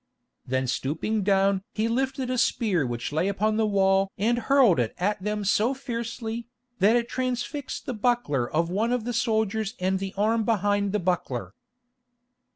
Then stooping down he lifted a spear which lay upon the wall and hurled it at them so fiercely, that it transfixed the buckler of one of the soldiers and the arm behind the buckler.